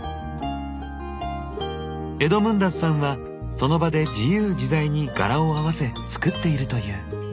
エドムンダスさんはその場で自由自在に柄を合わせ作っているという。